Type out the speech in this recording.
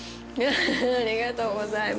ありがとうございます。